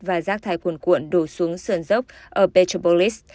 và rác thải cuồn cuộn đổ xuống sườn dốc ở petrobollax